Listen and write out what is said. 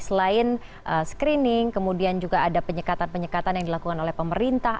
selain screening kemudian juga ada penyekatan penyekatan yang dilakukan oleh pemerintah